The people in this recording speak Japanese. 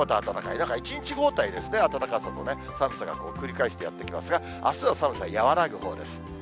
だから１日交代ですね、暖かさと寒さが繰り返してやって来ますが、あすは寒さ和らぐ予報です。